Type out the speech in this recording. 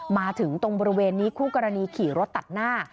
มาถึงตรงบริเวณนี้คู่กรณีขี่รถตัดหน้า